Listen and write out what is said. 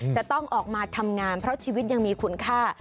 จะต้องออกมาทำงานเพราะชีวิตยังมีคุณค่า